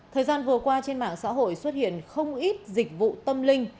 thời gian vừa qua trên mạng xã hội xuất hiện không ít dịch vụ tâm linh